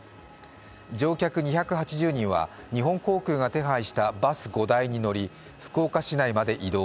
乗客２８０人は日本航空が手配したバス５台に乗り福岡市内まで移動。